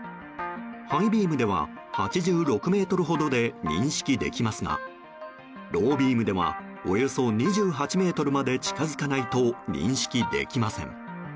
ハイビームでは８６ｍほどで認識できますがロービームではおよそ２８ｍまで近づかないと認識できません。